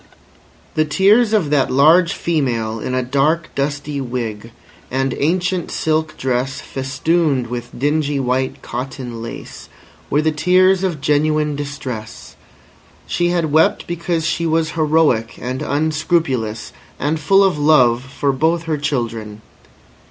The tears of that large female in a dark, dusty wig, and ancient silk dress festooned with dingy white cotton lace, were the tears of genuine distress. She had wept because she was heroic and unscrupulous and full of love for both her children.